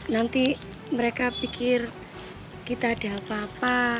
nanti mereka pikir kita ada apa apa